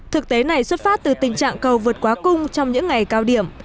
thực tế này xuất phát từ tình trạng cầu vượt quá cung trong những ngày cao điểm